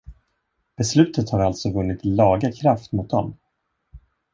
Beslutet har alltså vunnit laga kraft mot dem.